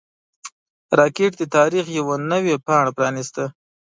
راکټ د تاریخ یوه نوې پاڼه پرانیسته